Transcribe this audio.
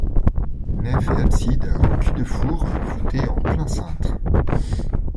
Nef et abside en cul-de-four voûtée en plein-cintre.